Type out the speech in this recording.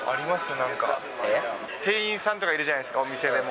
なんか、店員さんとかいるじゃないですか、お店でも。